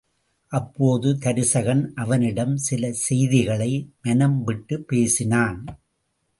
அப்போது தருசகன் அவனிடம் சில செய்திகளை மனம் விட்டுப் பேசினான்.